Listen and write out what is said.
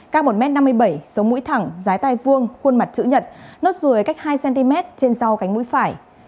các một m năm mươi bảy sống mũi thẳng giái tai vuông khuôn mặt chữ nhật nốt rùi cách hai cm trên sau cánh mũi phải